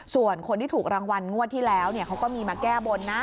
ส่วนคนที่ถูกรางวัลงวดที่แล้วเขาก็มีมาแก้บนนะ